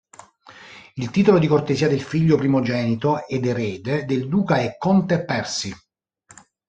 Il titolo di cortesia del figlio primogenito ed erede del Duca è "Conte Percy".